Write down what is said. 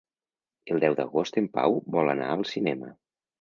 El deu d'agost en Pau vol anar al cinema.